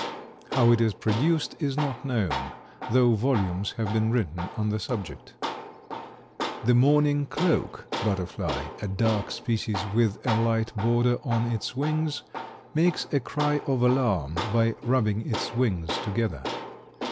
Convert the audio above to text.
How it is produced is not known, though volumes have been written on the subject. The "mourning cloak" butterfly a dark species with a light border in its wings makes a cry of alarm by rubbing its wings together.